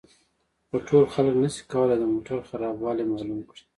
خو ټول خلک نشي کولای د موټر خرابوالی معلوم کړي